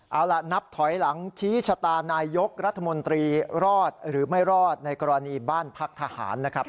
เอาล่ะนับถอยหลังชี้ชะตานายยกรัฐมนตรีรอดหรือไม่รอดในกรณีบ้านพักทหารนะครับ